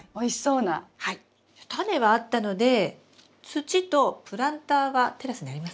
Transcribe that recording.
タネはあったので土とプランターはテラスにありますか？